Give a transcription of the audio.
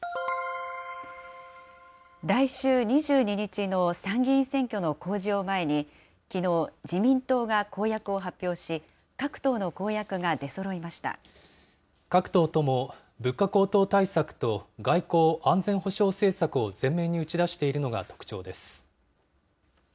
来週２２日の参議院選挙の公示を前に、きのう、自民党が公約を発表し、各党の公約が出そろい各党とも、物価高騰対策と、外交・安全保障政策を前面に打ち出しているのが特徴です。